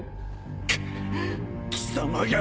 くっ貴様が！